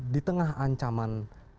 di tengah ancaman